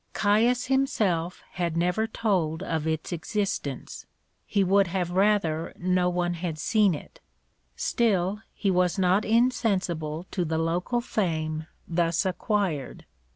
Caius himself had never told of its existence; he would have rather no one had seen it; still, he was not insensible to the local fame thus acquired.